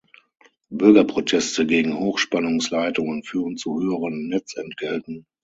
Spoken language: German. Bürgerproteste gegen Hochspannungsleitungen führen zu höheren Netzentgelten.